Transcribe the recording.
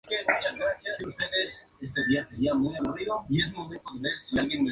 Algunos de sus sermones arremetieron contra la crueldad de la fiesta de los toros.